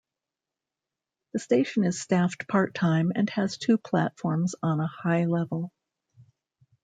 The station is staffed part-time and has two platforms on a high level.